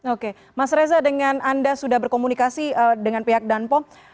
oke mas reza dengan anda sudah berkomunikasi dengan pihak dhanpo